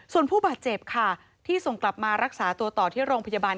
ส่วนผู้บาดเจ็บค่ะที่ส่งกลับมารักษาตัวต่อที่โรงพยาบาล